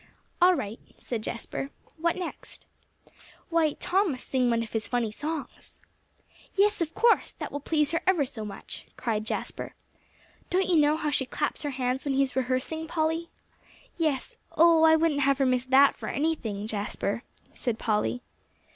"All right," said Jasper. "What next?" "Why, Tom must sing one of his funny songs." "Yes, of course. That will please her ever so much," cried Jasper. "Don't you know how she claps her hands when he's rehearsing, Polly?" "Yes; oh, I wouldn't have her miss that for anything, Jasper," said Polly.